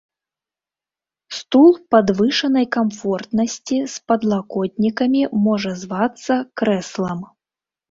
Стул падвышанай камфортнасці з падлакотнікамі можа звацца крэслам.